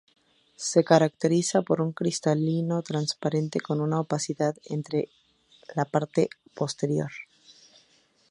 Se caracteriza por un cristalino transparente con una opacidad en la parte posterior.